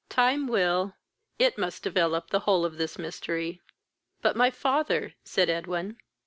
Time will, it must develop the whole of this mystery." "But my father!" said Edwin.